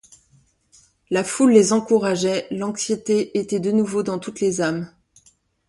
La foule les encourageait, l’anxiété était de nouveau dans toutes les âmes.